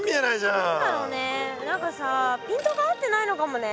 何だろうね何かさピントが合ってないのかもね。